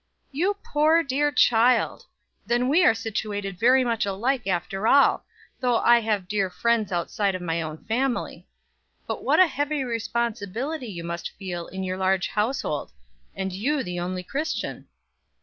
"You poor, dear child; then we are situated very much alike after all though I have dear friends outside of my own family; but what a heavy responsibility you must feel in your large household, and you the only Christian.